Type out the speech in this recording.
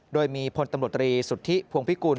โดยมีพลตำรวจรีสุทธิพวงพิกุล